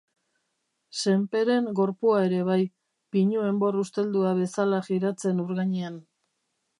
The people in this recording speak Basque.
Senperen gorpua ere bai, pinu enbor usteldua bezala jiratzen ur gainean.